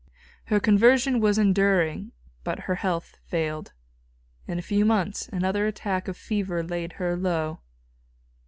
Her conversion was enduring, but her health failed. In a few months another attack of fever laid her low.